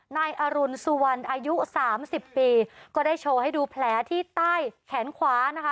นายอรุณสุวรรณอายุสามสิบปีก็ได้โชว์ให้ดูแผลที่ใต้แขนขวานะคะ